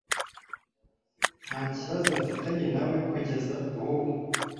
Ntakibazo mfitanye nawe kujyeza bubu.